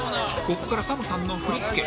ここから ＳＡＭ さんの振り付け